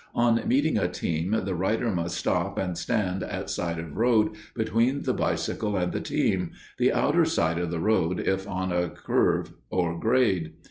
On meeting a team the rider must stop and stand at side of road between the bicycle and the team—the outer side of the road if on a grade or curve.